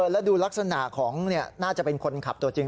แล้วดูลักษณะของน่าจะเป็นคนขับตัวจริง